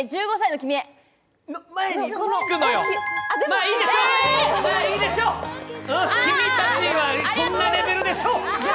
君たちはそんなレベルでしょう。